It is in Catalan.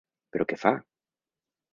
Però què fa?